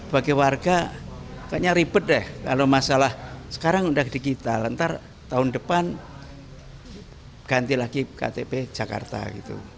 bagi warga kayaknya ribet deh kalau masalah sekarang udah digital ntar tahun depan ganti lagi ktp jakarta gitu